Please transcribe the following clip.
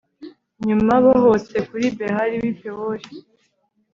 nyuma bohotse kuri behali w'i pewori